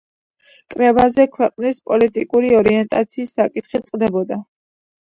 კრებაზე ქვეყნის პოლიტიკური ორიენტაციის საკითხი წყდებოდა.